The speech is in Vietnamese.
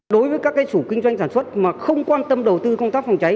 đối với các chủ kinh doanh sản xuất mà không quan tâm đầu tư công tác phòng cháy